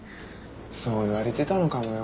そう言われてたのかもよ。